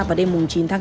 vào đêm chín tháng năm